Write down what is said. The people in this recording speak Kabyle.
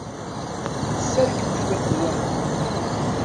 Sserkem cwiṭ n waman.